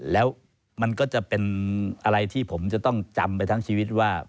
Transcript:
แล้วมันก็จะเป็นอะไรที่ผมจะต้องจำไปทั้งชีวิตว่า